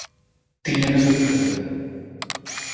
Tiñan esa limitación.